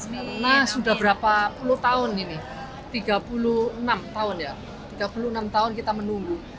karena sudah berapa puluh tahun ini tiga puluh enam tahun ya tiga puluh enam tahun kita menunggu